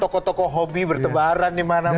toko toko hobi bertebaran di mana mana